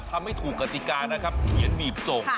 ทำให้ถูกกติกานะครับเขียนบีบส่ง